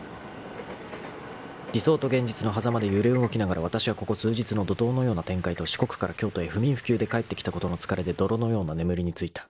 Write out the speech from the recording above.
［理想と現実のはざまで揺れ動きながらわたしはここ数日の怒涛のような展開と四国から京都へ不眠不休で帰ってきたことの疲れで泥のような眠りについた］